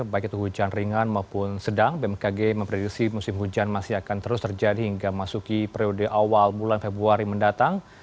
baik itu hujan ringan maupun sedang bmkg memprediksi musim hujan masih akan terus terjadi hingga masuki periode awal bulan februari mendatang